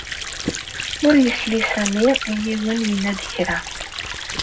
Ur yesli Sami i yiwen yenna-d kra.